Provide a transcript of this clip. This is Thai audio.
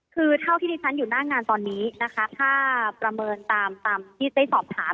คือเท่าที่ที่ฉันอยู่หน้างานตอนนี้นะคะถ้าประเมินตามที่ได้สอบถาม